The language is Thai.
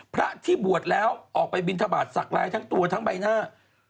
พระที่บวชแล้วออกไปบินทบาทสักลายทั้งตัวทั้งใบหน้า